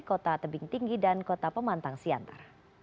kota tebing tinggi dan kota pemantang siantar